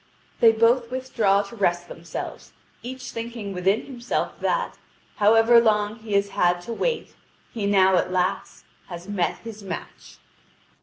Then both withdraw to rest themselves, each thinking within himself that, however long he has had to wait, he now at last has met his match.